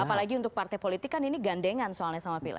apalagi untuk partai politik kan ini gandengan soalnya sama pileg